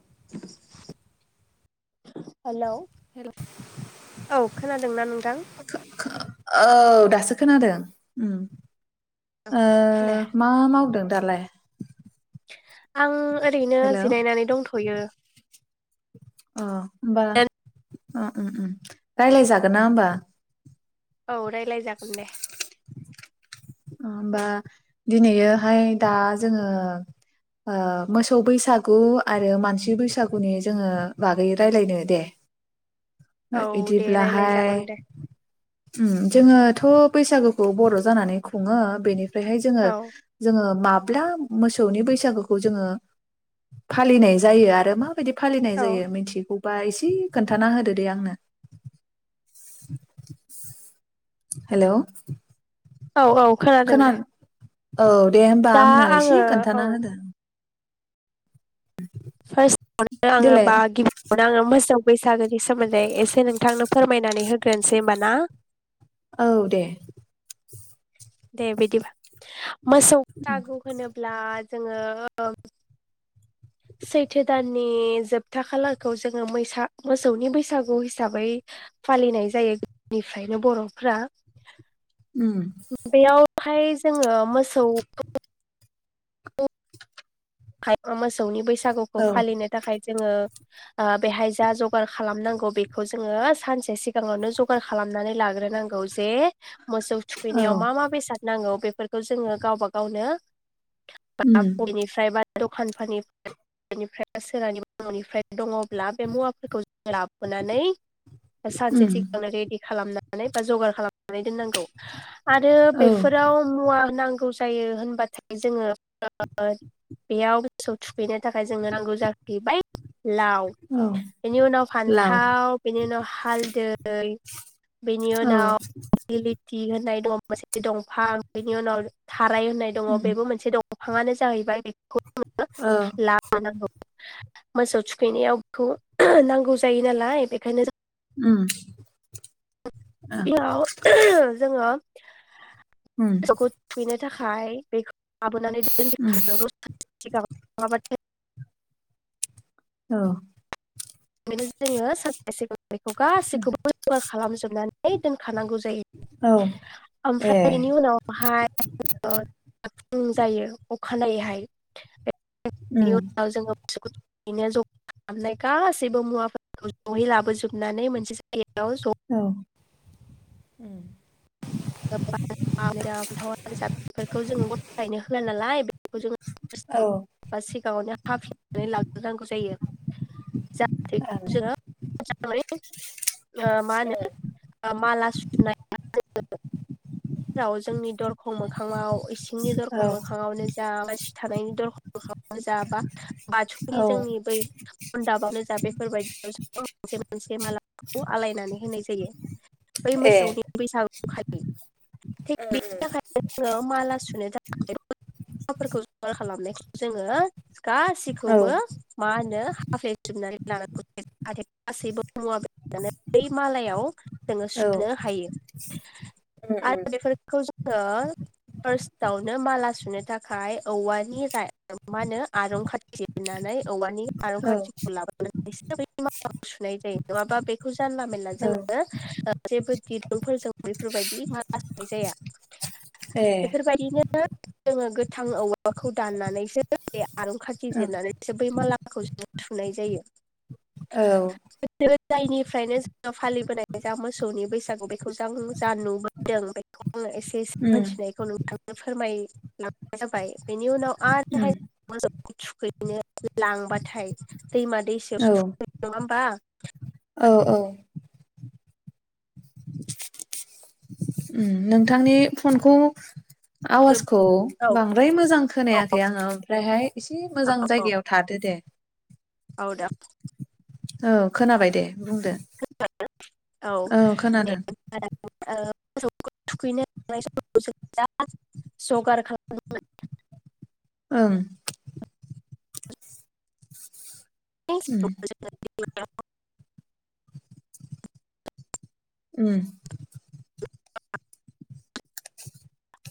[inaudible] Hello औ खोनादोंना नोंथां औ दासो। खोनादों उम। ओ दे मा मावदों? दालाय? आं ओरैनो हेल' अ जिरायनानै दंथ'यो। अ होमबा अ उम उम उम रायलाय जागोन ना होमबा? औ रायलाय जागोन दे अ होमबा दिनैयोहाय दा जोङो ओ मोसौ बैसागु आरो मानसि बैसागुनि जोङो बागै रायलायनो दे औ दे इदिब्लाहाय रायलायजागोन दे उम जोङो थ' बैसागुखौ बर' जानानै खुङो बेनि फ्रायहाय जोङो औ जोङो मा ब्ला मोसौनि बैसागुखौ जोङो फालिनाय जायो आरो मा बायदि फालिनाय औ जायो मिथिगौ बा एसे खोन्थाना होदो दे आंनो [inaudible] हेलौ औ औ खोनादों दे। ओ दे होमबा दा आंनो एसे आङो औ खोन्थाना होदो फार्स्टआवनो आङो देलाय बा गिबियावनो आङो मोसौ बैसागोनि सोमोन्दै एसे नोंथांनो फोरमायनानै होग्रोनोसै होमबा ना औ दे। दे बिदिबा मोसौ सागु होनोब्ला जोङो सैथो दाननि जोबथा खालारखौ जोङो मैसा-मोसौनि बैसागु हिसाबै फालिनाय जायो गोदोनिफ्रायनो बर'फ्रा। उम फाय जोङो मोसौ खौ‌ खाय मोसौनि बैस सागुखौ औ फालिनो थाखाय जोङो ओ बेहाय जा जगार खालामनांगौ बेखौ जोङो सानसे सिगाङावनो जगार खालामनानै लाग्रोनांगौ जे मोसौ औ थुखैनायाव मा मा बेसाद नांगौ बेफोरखौ जोङो गावबा गावनो [unintelligible] उम बबेनिफायबा दखानफोनि बेनिफ्राय सोरानि न'निफ्राय दङ' ब्ला बे मुवाफोरखौ जों लाबोनानै उम सानसे सिगांनो रेडि खालामना नानै बा जगार खालाम दोननांगौ आरो औ बेफोराव मुवा नांगौ गायो होनबाथाय जोङो [unintelligible] बेयाव मोसौ थुखैनो थाखाय जोंनो नांगौ जाहैबाय लाव औ बेनि उनाव लाव फान्थाव बेनि उनाव हालदै बेनि औ उनाव दिगिलिथि होननाय दंफां मोनसे दंफां बेनि उनाव खाराय होननाय दङ उम बेबो मोनसे दं दंफाङानो जाहैबाय औ लाबोनांगौ। मोसौ थुखैनायाव बेखौ नांगौ जायो नालाय बेखायनो ओम बेयाव जोङो [inaudible] उम मोसौखौ थुखैनो थाखाय बेखौ लाबोनानै दोनफै उम खानांगौ [inaudible] औ बेनो जोङो सानसे सिगां बेखौ गासैखौ जगार खालामजोबनानै दोनखानांगौ जायो। औ ए ओमफ्राय बेनि उनावहाय [inaudible] जायो। खानायैहाय बेनि उम उनाव जोङो बेनो ज' खालामनाय गासै गासैबो मुवाफोरखौ जयै लाबोजोबनानै मोनसे जायगायाव ज' औ बथावा बेफोरखौ जों गथ' गायनो होला नालाय बे जों बा सिगांङावनो हाफिनानै लाग्रोनांगौ जायो जाथे बेखौ ओं जोङो [inaudible] [unintelligible] मा होनो माला [inaudible] [inaudible] जोंनि दरखं मोखाङाव इसिंनि औ दरखौ औ मोखाङावनो जा बा थानायनि [inaudible] बाथौनि जोंनि बै मनडाबावनो जा बेफोरबायदियाव मोनसे मोनसे मालाखौ आलायनानै होनाय जायो। बै मोसौनि बैसागु खालि थिग बेनि ओम थाखायनो जोङो माला ओ थाखाय बेफोरखौ जगार खालामनायखौ जोङो गासिखौबो मा होनो हाफ्ले जोबनानै लानांगौ आरो गासैबो मुवा बेसादखौनो बै मालायाव जोङो औ सुनो हायो। आरो बेफोरखौ जों फार्स्टावनो माला सुनो थाखाय औवानि मा होनो आरं खाथि जिरनानै औवानि आरं औ खाथिखौ लाबोनानैसो बै मालाखौ सुनाय जायो। माबा बेखौ जोङो जानला मोनला औ जोङो जेबो दि रुंफोरजों बेफोरबायदि मा ला सुनाय जाया। ए बेफोरबायदिनो। जोङो गोथां औवाबाखौ दाननानैसो। आरं खाथि ओं जिरनानैसो बै माला खौ जों थुनाय जायो। औ। जायनिफ्रायनो जों फालिबोनाय जा मोसौनि बैसागु बेखौ जों जा नुबो दों बेखौ आङो एसे एसे उम मोनथिनायखौ नोंथांनो फोरमाय नाय जाबाय बेनि उनाव उम आरोहाय [inaudible] थुखैनो लांबाथाय दैमा औ दैसायावसो थुखैयो नङा होमबा? औ औ। नोंथांनि फनखौ आवाजखौ औ बांद्राय मोजां औ खोनायाखै आङो ओमफ्रायहाय एसे मोजां औ जायगायाव थादो दे। औ दे औ खोनाबाय दे। बुंदो औ दे। ओ मोसौ थुखैनो समाव जों जा जगार खालामदोंमोन। ओं। [inaudible] उम [unintelligible] उम [inaudible]